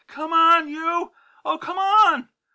Come on, you! Oh, come on!"